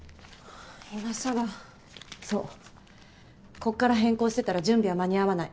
こっから変更してたら準備は間に合わない。